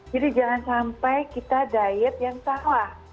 jadi jangan sampai kita diet yang salah